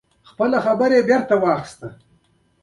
خپل امر بيرته واخيست